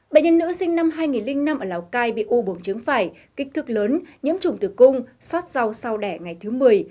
bệnh nhân nữ sinh năm hai nghìn năm ở lào cai bị u buồng trứng phải kích thước lớn nhiễm trùng tử cung xót rau sao đẻ ngày thứ một mươi